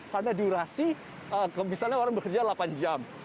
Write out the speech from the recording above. karena durasi misalnya orang bekerja delapan jam